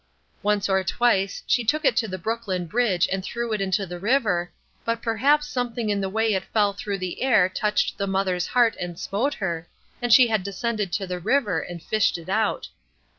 Once or twice she took it to the Brooklyn Bridge and threw it into the river, but perhaps something in the way it fell through the air touched the mother's heart and smote her, and she had descended to the river and fished it out.